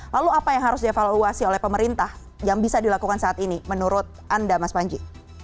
lalu apa yang harus dievaluasi oleh pemerintah yang bisa dilakukan saat ini menurut anda mas panji